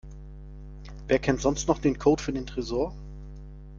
Wer kennt sonst noch den Code für den Tresor?